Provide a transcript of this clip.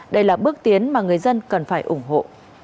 đây là bước tiến mà người dân cần phải ủng hộ